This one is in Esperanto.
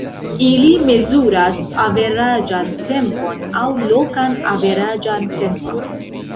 Ili mezuras averaĝan tempon aŭ "lokan averaĝan tempon".